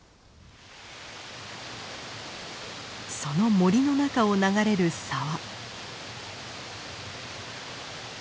その森の中を流れる沢。